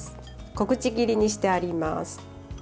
小口切りにしてあります。